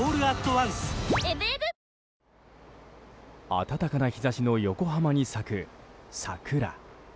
暖かな日差しの横浜に咲く桜。